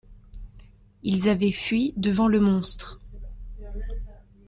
Ils avaient fui devant le monstre.